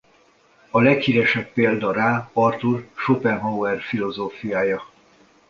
A leghíresebb példa rá Arthur Schopenhauer filozófiája.